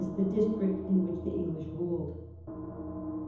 the district in which the English ruled).